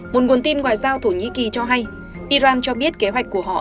một nguồn tin ngoại giao thổ nhĩ kỳ cho hay iran cho biết kế hoạch của họ